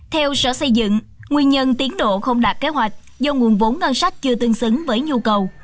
theo sở xây dựng nguyên nhân tiến độ không đạt kế hoạch do nguồn vốn ngân sách chưa tương xứng với nhu cầu